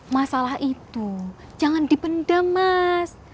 masalah itu jangan dipendam mas